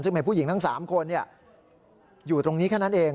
ซึ่งเป็นผู้หญิงทั้ง๓คนอยู่ตรงนี้แค่นั้นเอง